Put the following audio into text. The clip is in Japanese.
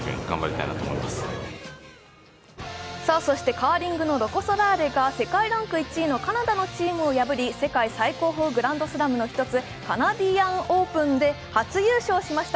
カーリングのロコ・ソラーレが世界ランク１位のカナダのチームを破り世界最高峰グランドスラムの一つカナディアンオープンで初優勝しました。